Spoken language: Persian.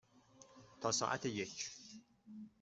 تا ساعت یک.